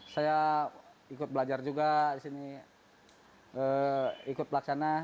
saya ikut belajar juga di sini ikut pelaksana